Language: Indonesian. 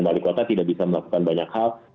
wali kota tidak bisa melakukan banyak hal